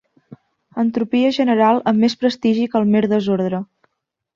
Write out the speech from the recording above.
Entropia general amb més prestigi que el mer desordre.